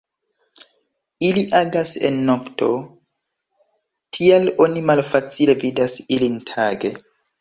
Ili agas en nokto, tial oni malfacile vidas ilin tage.